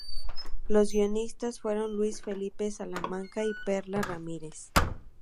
Los guionistas fueron Luis Felipe Salamanca y Perla Ramírez.